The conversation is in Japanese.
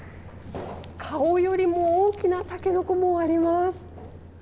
顔よりも大きなたけのこもあります。